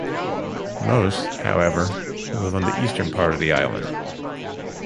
Most, however, live on the eastern part of the island.